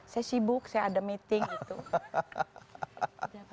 saya sibuk saya ada meeting gitu